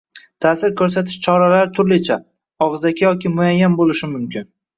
Ta’sir ko‘rsatish choralari turlicha – og‘zaki yoki muayyan bo‘lishi mumkin.